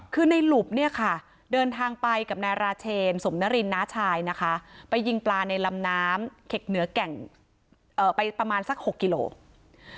คือในหลุบเนี่ยค่ะเดินทางไปกับนายราเชนสมนรินน้าชายนะคะไปยิงปลาในลำน้ำเข็กเหนือแก่งไปประมาณสัก๖กิโลกรัม